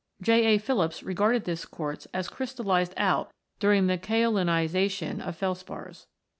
J. A. Phillips (se) regarded this quartz as crystallised out during the kaolinisation of felspars.